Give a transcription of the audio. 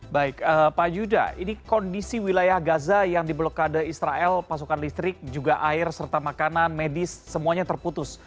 baik pak yuda ini kondisi wilayah gaza yang di blokade israel pasokan listrik juga air serta makanan medis semuanya terputus